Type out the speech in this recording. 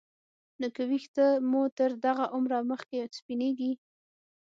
نو که ویښته مو تر دغه عمره مخکې سپینېږي